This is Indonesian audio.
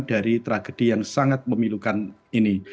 dari tragedi yang sangat memilukan ini